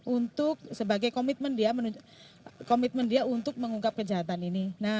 untuk sebagai komitmen dia untuk mengungkap kejahatan ini